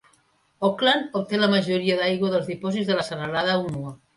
Auckland obté la majoria d'aigua dels dipòsits de la serralada Hunua.